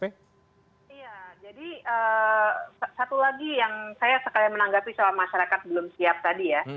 iya jadi satu lagi yang saya sekali menanggapi soal masyarakat belum siap tadi ya